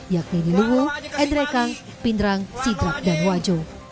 yakni di luwu endrekang pindrang sidrap dan wajo